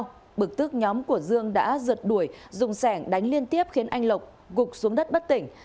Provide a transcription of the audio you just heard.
sau đó bực tức nhóm của dương đã rượt đuổi dùng sẻng đánh liên tiếp khiến anh lộc gục xuống đất bất tỉnh